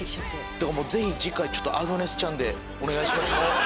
だからもうぜひ次回ちょっとアグネス・チャンでお願いします。